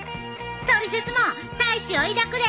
「トリセツ」も大志を抱くで！